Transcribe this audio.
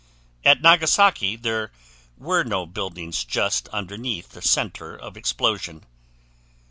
At Nagasaki there were no buildings just underneath the center of explosion.